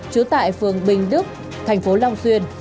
chú tại phường bình đức tp hcm